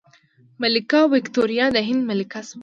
ملکه ویکتوریا د هند ملکه شوه.